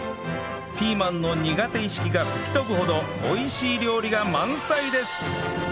ピーマンの苦手意識が吹き飛ぶほど美味しい料理が満載です